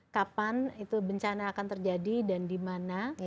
kapan itu bencana akan terjadi dan di mana